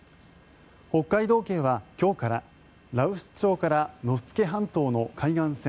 北海道警は今日から羅臼町から野付半島の海岸線